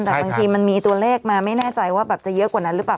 แต่บางทีมันมีตัวเลขมาไม่แน่ใจว่าแบบจะเยอะกว่านั้นหรือเปล่า